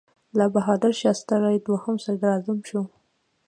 لال بهادر شاستري دویم صدراعظم شو.